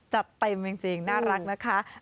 จัดเต็มจริงน่ารักนะคะ